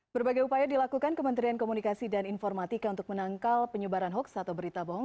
berbagai upaya dilakukan kementerian komunikasi dan informatika untuk menangkal penyebaran hoax atau berita bohong